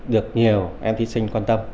được nhiều em thí sinh quan tâm